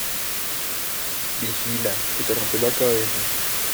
Vigila, ¡que te rompes la cabeza!